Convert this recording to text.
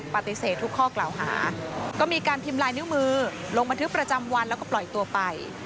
ปฏิเสธทุกข้อกล่าวหาก็มีการพิมพ์ลายนิ้วมือลงบันทึกประจำวันแล้วก็ปล่อยตัวไป